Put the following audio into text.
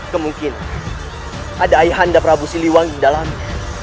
kemungkinan ada ayahanda prabu siliwang di dalamnya